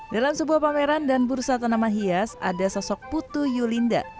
dalam sebuah pameran dan bursa tanaman hias ada sosok putu yulinda